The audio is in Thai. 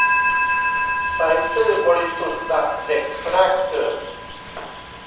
ใสซื่อบริสุทธิ์ดั่งเด็กแรกเกิด